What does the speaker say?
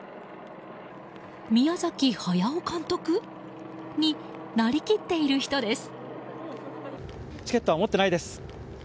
宮崎駿監督になりきっている人です。